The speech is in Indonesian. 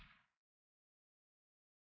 saya mau ngelamar dede